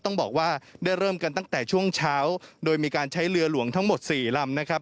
ต้องบอกว่าได้เริ่มกันตั้งแต่ช่วงเช้าโดยมีการใช้เรือหลวงทั้งหมดสี่ลำนะครับ